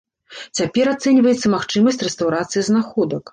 Цяпер ацэньваецца магчымасць рэстаўрацыі знаходак.